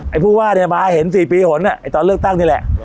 ไอ้ผู้ว่าเนี้ยมาเห็นสี่ปีหลนอ่ะไอ้ตอนเลือกตั้งนี่แหละหรอ